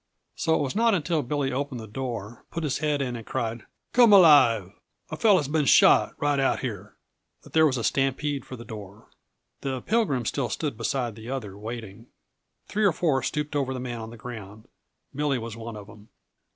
So it was not until Billy opened the door, put his head in, and cried: "Come alive! A fellow's been shot, right out here," that there was a stampede for the door. The Pilgrim still stood beside the other, waiting. Three or four stooped over the man on the ground. Billy was one of them.